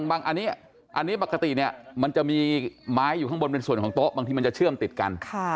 อันนี้ปกติเนี่ยมันจะมีไม้อยู่ข้างบนเป็นส่วนของโต๊ะบางทีมันจะเชื่อมติดกัน